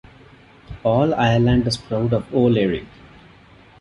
All Ireland is proud of O'Leary.